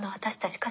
家族